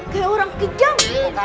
kayak orang kejang nih